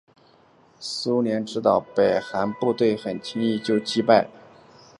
苏联指导的北韩部队很轻易的就击败南韩军队并快速挺进。